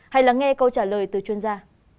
hay lắng nghe câu trả lời từ chuyên gia